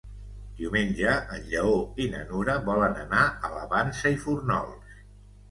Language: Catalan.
Diumenge en Lleó i na Nura volen anar a la Vansa i Fórnols.